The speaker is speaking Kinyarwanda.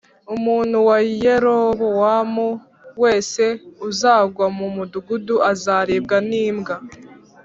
Umuntu wa Yerobowamu wese uzagwa mu mudugudu azaribwa n’imbwa